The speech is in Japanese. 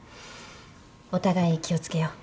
お互い気を付けよう。